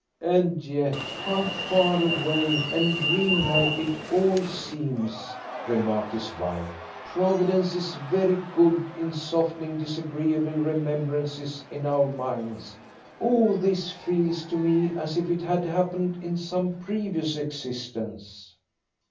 "And yet how far away and dream like it all seems!" remarked his wife. "Providence is very good in softening disagreeable remembrances in our minds. All this feels to me as if it had happened in some previous existence."